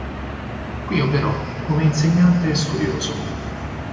Qui operò come insegnante e studioso.